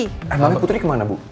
eh mana putri kemana bu